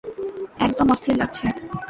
একদম অস্থির লাগছে।